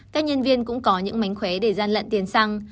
các nhân viên cũng có những mánh khóe để gian lận tiền xăng